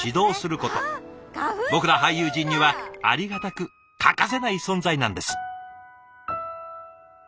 僕ら俳優陣にはありがたく欠かせない存在なんです。